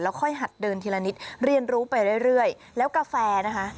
ค่อยหัดเดินทีละนิดเรียนรู้ไปเรื่อยแล้วกาแฟนะคะ